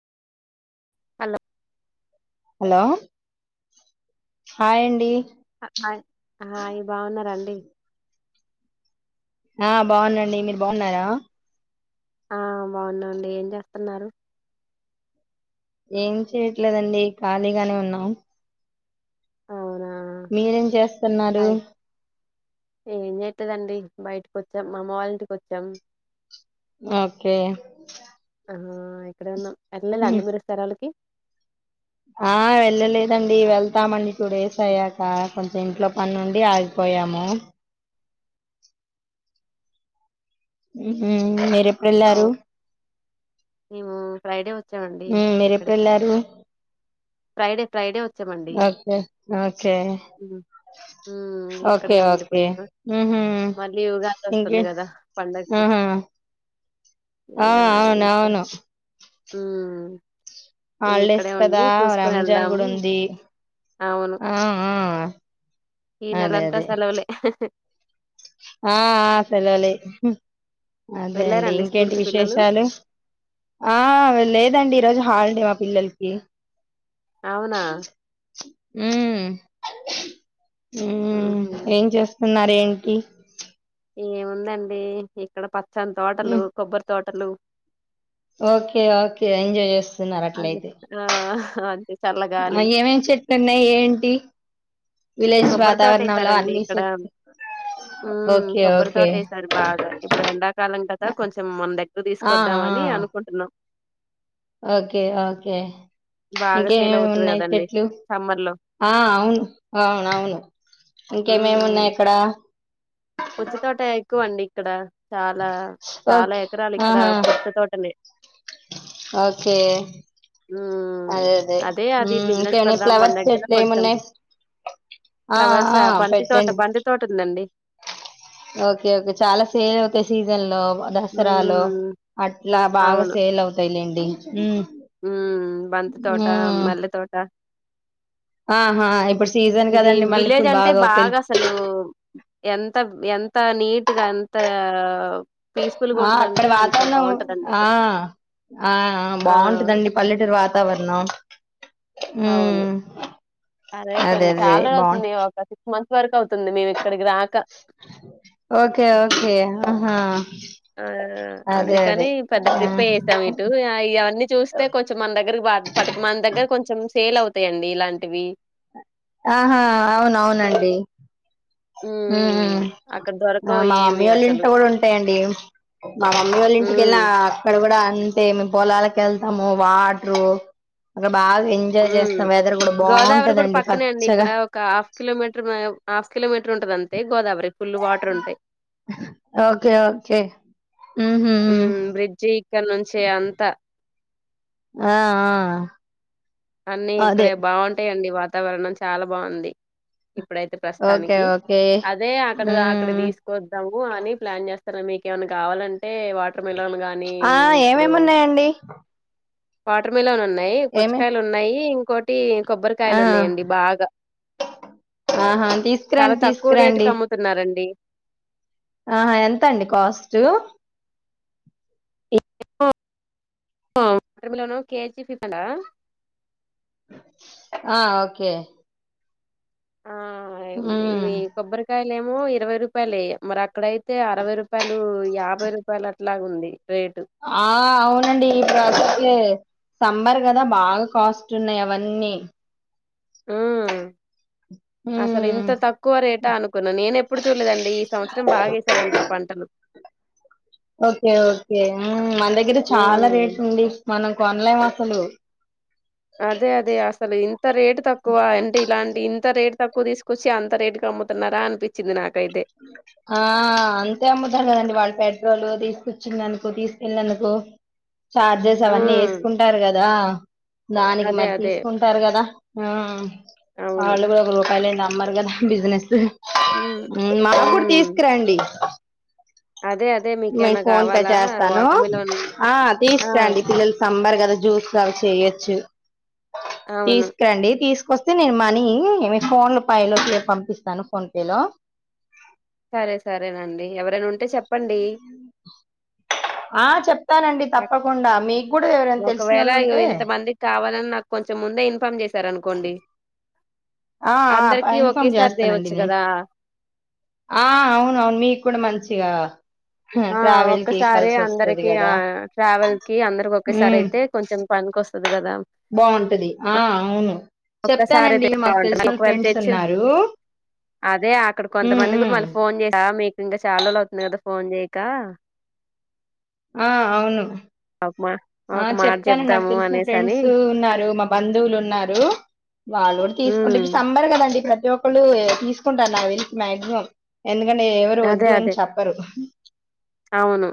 Hello hello hi అండి hi బాగున్నరా అండి ఆ బాగున్న అండి మీరు బాగున్నారా ఆ బాగున్నా అండి ఏం చేస్తన్నారు ఏం చెయట్లేదండి ఖాళీగానే ఉన్నాం. ఆ మీరేం అ చేస్తున్నారు ఏం చెయ్యట్లేదు అండి బయటకి వచ్చాం. మా అమ్మ వాళ్ళంటికి వచ్చాం. ఓకే ఆ ఇక్కడే ఉన్నాం ఎట్ల ఉమ్. లేండి మీరు స్థరాలకి ఆ వెళ్ళలేదండి. వెళ్తామండి. టూ డేస్ అయ్యాక కొంచెం ఇంట్లో పని ఉండి ఆగిపోయి యాము ఉహు మీరెప్పుడు వెళ్ళారు అవును మేము ఫ్రైడే వచ్చామండి. ఉమ్, మీరెప్పుడు ఇక్కడికి వెళ్ళారు ఫ్రైడే ఫ్రైడే వచ్ ఓకే ఓకే ఉమ్ ఉమ్, ఇక్కడే ఓకే ఓకే ఉండిపోయాము ఊ హు మళ్ళీ ఉగాది ఇంక అ ఆ ఏవ అవును ఇక అవును ఉహు హాలిడేస్ కదా రంజాన్ వెళ్దాము కూడా ఉంది. ఆ ఆ అదే ఈనెలంతా అదే సెలవులే ఆ ఆ సెలవులే అదే అండి వెళ్ళారండి స్కూల్ ఇంకేంటి కి పిల్లలు విశేషాలు. ఆ లేదండి ఈరోజు హాలీడే మా పిల్లలకి అవునా ఊమ్ ఊ ఉహు ఏం చేత్తున్నారు దేనికీ ఏముందండి ఇక్కడ పచ్చని తోటలు, హ్మ్. కొబ్బరి తోటలు ఓకే ఓకే ఎంజాయ్స్ అదే ఆ అంతే ఆ చల్లగాలి ఏమేమి చెట్టు ఉన్నాయ్ ఏంటి విలేజ్ వాతావరణంలో అన్ని చెట్ ఉ ఓకే కొబ్బరి ఓకే తోట ఏసారు. బాగా ఇప్పుడు ఎండాకాలం కదా కొంచెం మన దగ్గర ఆ తీసుకొద్దాం. ఆ అని అనుకుంటున్నాం ఓకే ఓకే బాగా సేల్ ఇంకేమీమీ అవుతది ఉన్నాయి కదండి చెట్లు సమ్మర్ లో ఆ అవున్ అవున అవును ఇంకేమేమి ఉన్నాయి ఉమ్ ఇక్కడ పుచ్చ తోట ఎక్కువ అండి ఇక్కడ చాలా చాలా ఓకే ఎకరాలు ఇక్కడ ఆహా పుచ్చ తోటలే ఓకే ఉమ్ అదే అది ఉమ్ బిజినెస్ ఇంకేమునాయి పెడదాం మన ఫ్లవర్స్ దగ్గర చెట్లు కొంచెం ఏమున్నాయి ఆ ఫ్లవర్స్ ఆ బంతి తోట పెట్టండి బంతి తోట ఉందండి ఓకే ఓకే చాలా సేల్ అవుతాయి సీజన్ లో దసరాలో హ్మ్. అట్లా బాగా సేల్ అవుతాయిలేండి ఉమ్ బంతి తోట మ్మ్ మల్లె తోట ఆహా ఇప్పుడు సీజన్ ఇది కదండి విలేజ్ మల్లెపూలు అంటే అవుతాయి బాగా అసలు ఎంత ఎంత నీట్గా అంత ఆ అక్కడ వాతావరణం బావుంటదండి ఆ ఇక్కడ. ఆ ఆ బాగుంటదండి పల్లెటూరు వాతావరణం అవును మ్మ్ అదే కొన్ని అదే చాల బాగుంట అవుతుంది ఒక సిక్స్ మంత్స్ వరక్ అవుతుంది మేము ఇక్కడికి రాక ఓకే ఓకే ఆహా ఆ అదే అదే అందుకని పెద్ద ఆ. ట్రిప్ఎ ఎసాం ఇటు ఆ ఈ ఇవన్నీ చూస్తే కొంచెం మన దగ్గరకి పటుకమంది దగ్గర కొంచెం సేల్ అవుతాయండి ఇలాంటివి ఆహా అవును అవునునండి అ ఉమ్ ఉమ్ మా మమ్మీ ఏమి వాళ్ళ అసలు. ఇంట్లో కూడా ఉంటాయండి మా మమ్మీ వాళ్ళ ఇంటికెళ్ళిన హ్మ్. అక్కడ కూడా అంటే పోలాలకిెళ్తాము వాటర్ ఉ బాగా ఎంజాయ్ ఉమ్ చేస్తాం వెదర్ కూడా గోదావరి కూడా బాగుంటదండి ప పక్కనే అండి ఇక్కడ ఒక హాఫ్ కిలోమీటర్ హాఫ్ కిలోమీటర్ ఉంటది అంతే గోదావరి ఫుల్ వాటర్ ఉంటాయి ఓకే ఓకే ఉహు ఉమ్ బ్రిడ్జి ఇక్కడ నుంచి అంతా ఆ ఆ అన్నిీ అదే ఇక్కడే బాగుంటాయండి వాతావరణం చాలా బాగుంది ఇప్పుడైతే ఓకే ప్రస్తుతానికి ఓకే అదే అక్కడ అక్కడ ఉమ్ తీసుకొద్దాము అని ప్లాన్ చేస్ అర మీకేమన్నా కావాలంటే వాటర్ మిలన్లు గానీ ఆ ఇప్పుడు ఏమేమి ఉన్నాయండి వాటర్ మిలిన్ ఉన్నాయి పూచ్ ఏమే ఉన్నాయి ఇంకోటి ఆ కొబ్బరికాయలు ఉన్నాయండి బాగా ఆహా చాలా తీసుకురండి తక్కువ రేటు కి తీసుకురండి అమ్ముతున్నారంండి ఆహా ఎంత అండి కాస్ట్ [inaudible] వాటర్మేలోన్ కెజి [inaudible] ఆ ఓకే ఆ ఇవి ఉమ్ కొబ్బరికాయ లు ఏమో ఇరవై రూపాయలే ఇగ మరి అక్కడయితే అరవై రూపాయలు యాభై రూపాయలు అట్లాగా ఉంది ఆ అవునండి ఇప్పుడు [unintelligible] సమ్మర్ కదా బాగా కాస్ట్ ఉన్నాయి అవన్నీ ఉమ్ అసలు ఉమ్ ఇంత తక్కువ రేటా అనుకున్నాను నేన ఎప్పుడు చూడలేదండి ఈ సంవత్సరం బాగాసారంట పంటలు ఓకే ఓకే ఉమ్ మన దగ్గర చాలా హ్మ్. రేట్ ఉంది మనం కొన్లెం ఆ సాలు అదే అదే అసలు ఇంత రేటు తక్కువ అంటే ఇలాంటి ఇన్ తా రేట్ తక్కువ తీసుకొచ్చి అంత రేట్ కి అమ్ముతున్నారా అనిపించింది నా ఆ అంతే అమ్ముతారు [unintelligible] దండి వాళ్ళు పెట్రోలు తీసుకొచ్చినదుకు, తీసుకెళ్ళినందుకు చార్జెస్ అవన్నీ హ్మ్. ఏసుకుంటారు కదా. దానికి అదే మరి అదే. తీసుకుంటారు కదా అవును. అళ్ళు కూడా ఒక రూపాయ్ లేన్ సమ్మర్ కదా బిజినెసు హ్మ్. హు మాకు కుడ్ హ్మ్. తీసుకురండి. అదే అదే మీ మీకేమన్నా ఫోన్ పే గావాలా చేస్తాను. వాటర్ మిలన్ ఆ ఆ! తీసరండి, పిల్లలు సమ్మర్ కదా జ్యూసులు అవి చేయ్ చు అవును. తీసుకురండి తీస్ వస్తే నేను మనీ మీ ఫోన్లో పై లోపలే పంపిస్తాను. ఫోన్ పే లో సరే సరేనండి, ఎవరైనా ఉంటే చెప్పండి. ఆ చెప్తానండి ఏప్ తప్పకుండా మీకు కూడా ఎవరైనా తెలిసిన ఒకవేళ వాళ్ళు ఇగో ఉంటే ఇంతమందికి కావాలని నాకు కొంచెం ముందే ఇన్ఫామ్ జేత్ సార్ అనుకోండి ఆ ఆ పై ఇన్ఫామ్ చేస్తానండి. తేవచ్చు నే కదా ఆ అవున అవును మీ కూడా మంచిగా ఆ ట్రావెల్ కి ఒక్కసారి కలిసి వస్తుంది అందరికి, ఆ కదా ట్రావెల్ కి అందరికి. ఒకేసారి అయితే కొంచెం పన్ కొస్తది. కదా బావుంటది ఆ అవును ఒక్కసారి అయితే చెప్తానండి. మాకు బాగుంటది తెలిసిన ఒకవేళ ఫ్రెండ్స్ తెచ్చిన ఉన్నారు. అదే అక్కడ ఉమ్, కొంతమంది కూడా ఉమ్. మళ్ళీ ఫోన్ జేసా కా మీకు ఇంకా చాల్ రోజులు అవుతుంది కదా, ఫోన్ జేయక. ఆ అవును అవుమా ఆ చెప్తాను. నాకు తెలిసిన ఫ్రెండ్స్ ఉన్నారు, మా బంధువులు ఉన్నారు. వాలో ఉమ్ టీసుకుంటానికి సమ్మర్ కదండి. ప్రత్ యొక్కలు ఏ తీసుకుంటారు. నాగ్ తెలిసి మాక్సిమం, ఎందుకంటే ఎవరు అదే వద్దు అని అదే చెప్పరు. అవును